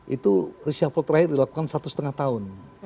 itu reshuffle terakhir dilakukan satu setengah tahun